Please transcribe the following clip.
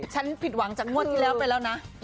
ฉันผิดหวังจากงวดที่เรียนไปแล้วนะ